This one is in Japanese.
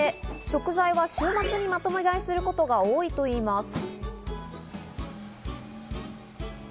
食材は週末にまとめ買いすることが多いといいます。